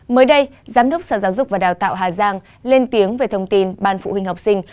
mới đây giám đốc sở giáo dục và đào tạo hà giang lên tiếng về thông tin ban phụ huynh học sinh